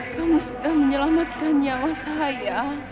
kamu sudah menyelamatkan nyawa saya